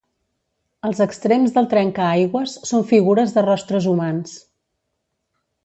Els extrems del trencaaigües són figures de rostres humans.